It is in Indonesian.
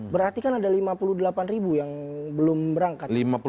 berarti kan ada lima puluh delapan ribu yang belum berangkat